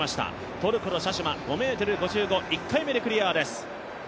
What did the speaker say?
トルコのシャシュマ、５ｍ５５、１回目でクリアです。